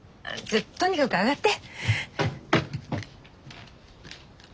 とにかく上がって。